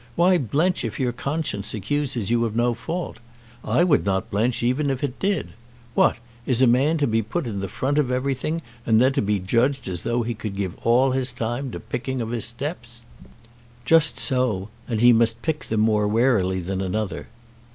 Why blench if your conscience accuses you of no fault? I would not blench even if it did. What; is a man to be put in the front of everything, and then to be judged as though he could give all his time to the picking of his steps?" "Just so! And he must pick them more warily than another."